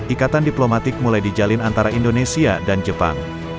ikatan diplomatik mulai dijalin antara indonesia dan jepang